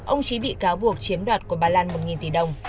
ông trí bị cáo buộc chiếm đoạt của bà lan một tỷ đồng